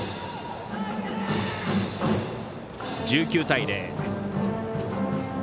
１９対０。